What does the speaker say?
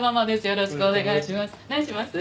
よろしくお願いします。